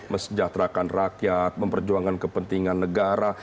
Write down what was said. mesejahterakan rakyat memperjuangkan kepentingan negara